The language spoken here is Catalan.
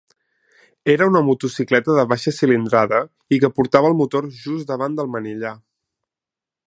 Era una motocicleta de baixa cilindrada i que portava el motor just davant del manillar.